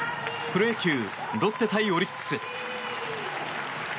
プロ野球、ロッテ対オリックス。